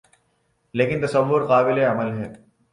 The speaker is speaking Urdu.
لیکن تصور قابلِعمل ہے